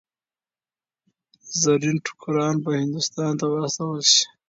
زرین ټوکران به هندوستان ته واستول شي.